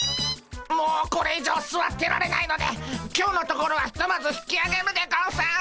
もうこれ以上すわってられないので今日のところはひとまず引きあげるでゴンス！